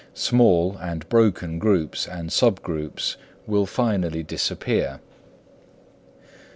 Small and broken groups and sub groups will finally disappear.